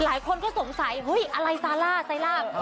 หลายคนก็สงสัยเฮ้ยอะไรซาร่าไซร่า